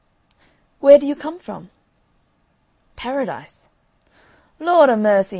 "Where do you come from?" "Paradise." "Lord a' mercy!